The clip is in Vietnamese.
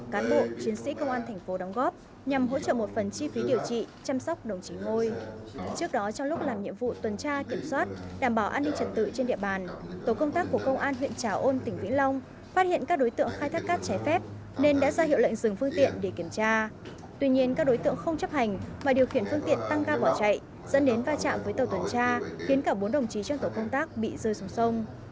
không chấp hành mà điều khiển phương tiện tăng ca bỏ chạy dẫn đến va chạm với tàu tuần tra khiến cả bốn đồng chí trong tổ công tác bị rơi xuống sông